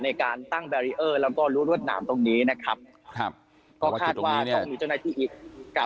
ในการตั้งแล้วก็รวดหนามตรงนี้นะครับครับก็คาดว่าตรงนี้จะได้ที่อีก